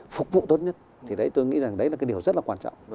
phục vụ tốt nhất thì đấy tôi nghĩ là cái điều rất là quan trọng